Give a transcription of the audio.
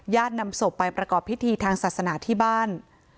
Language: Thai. นำศพไปประกอบพิธีทางศาสนาที่บ้าน